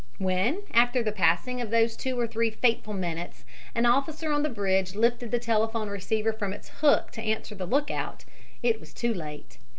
When, after the passing of those two or three fateful minutes an officer on the bridge lifted the telephone receiver from its hook to answer the lookout, it was too late.